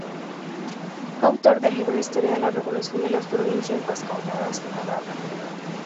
Fue autor del libro "Historia de la revolución de las provincias vascongadas y Navarra.